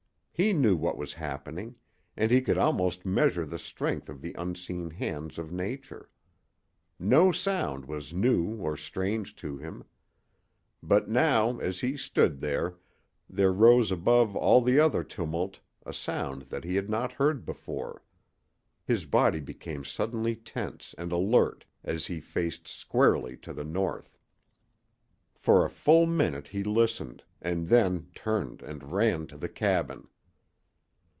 He knew what was happening, and he could almost measure the strength of the unseen hands of nature. No sound was new or strange to him. But now, as he stood there, there rose above all the other tumult a sound that he had not heard before. His body became suddenly tense and alert as he faced squarely to the north. For a full minute he listened, and then turned and ran to the cabin.